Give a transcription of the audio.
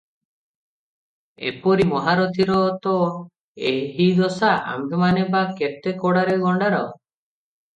ଏପରି ମହାରଥୀର ତ ଏହି ଦଶା, ଆମ୍ଭେମାନେ ବା କେତେ କଡ଼ାରେ ଗଣ୍ତାର ।